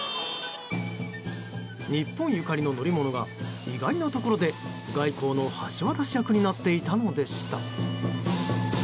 日本ゆかりの乗り物が意外なところで外交の橋渡し役になっていたのでした。